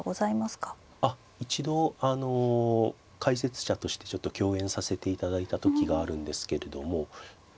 一度あの解説者としてちょっと共演させていただいた時があるんですけれどもえまあ